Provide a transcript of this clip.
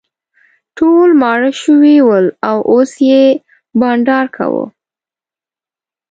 ټول ماړه شوي ول او اوس یې بانډار کاوه.